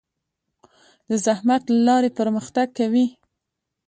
د زحمت له لارې پرمختګ کوي.